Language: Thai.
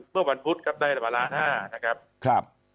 เมื่อวันพุธก็ได้ละ๑๕๐๐๐๐๐บาทนะครับ